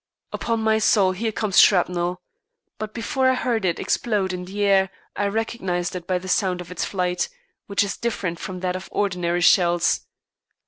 Upon my soul, here comes shrapnel! But before I heard it explode in the air I recognised it by the sound of its flight, which is different from that of ordinary shells.